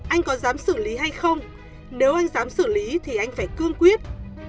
anh có dám xử lý hay không nếu anh dám xử lý thì anh phải cương quyết